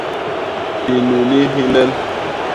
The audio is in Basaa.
Hinuni hi nlel